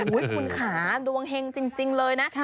คุณขาดวงเฮงจริงเลยนะ